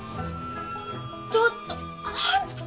ちょっとあんた！